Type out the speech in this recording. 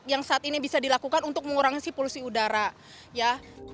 yang saat ini bisa dilakukan untuk mengurangi polusi udara ya